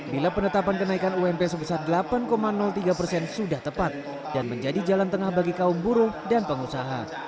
bila penetapan kenaikan ump sebesar delapan tiga persen sudah tepat dan menjadi jalan tengah bagi kaum buruh dan pengusaha